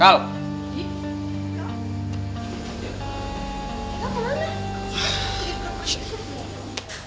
kau mau ngerenek